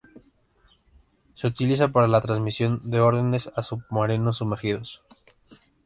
Se utiliza para la transmisión de órdenes a submarinos sumergidos.